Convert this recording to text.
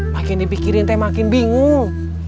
makin dipikirin teh makin bingung